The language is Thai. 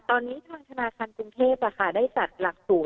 ตอนนี้วัญชนาการกุ้งเทพได้จัดหลักศูนย์